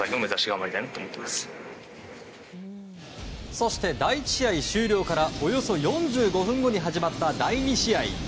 そして、第１試合終了からおよそ４５分後に始まった第２試合。